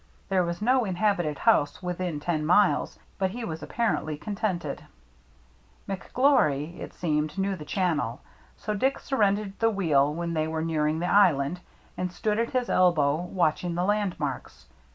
There was no inhabited house within ten miles, but he was apparently contented. THE CIRCLE MARK 97 McGlory, it seemed, knew the channel; so Dick surrendered the wheel when they were nearing the island, and stood at his elbow, watching the landmarks.